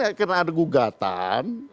ini kan karena ada gugatan